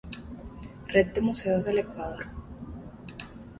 Red de Museos del Ecuador